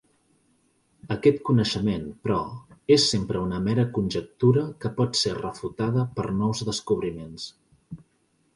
Aquest coneixement, però, és sempre una mera conjectura que pot ser refutada per nous descobriments.